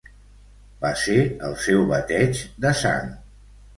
Va ser el seu bateig de sang.